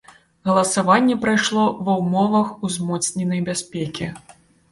Галасаванне прайшло ва ўмовах узмоцненай бяспекі.